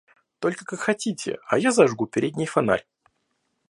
Только, как хотите, а я зажгу передний фонарь.